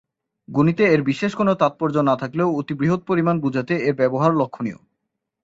গণিতে এর বিশেষ কোনো তাৎপর্য না থাকলেও অতি বৃহৎ পরিমাণ বুঝাতে এর ব্যবহার লক্ষ্যণীয়।